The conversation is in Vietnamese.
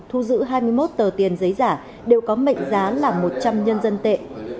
thu giữ hai mươi một tờ tiền giấy giả đều có mệnh giá là một trăm linh nhân dân tệ